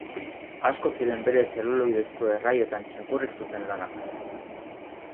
Asko ziren bere zeluloidezko erraietan txakurrik zuten lanak.